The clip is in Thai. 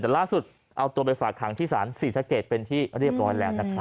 ในล่าสุดเอาตัวไปฝากคาวอย่างที่สารศรีศเกษติเป็นที่เรียบร้อยแล้ว